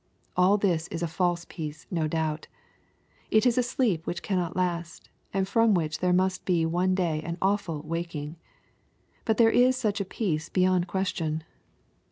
All this is a false peace no doubt. It is a sleep which cannot last, and from which there must be one day an awful waking. But there is such a peace beyond question.